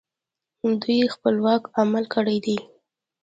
دوی خپلواک عمل کړی دی